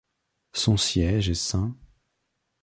Son siège est St.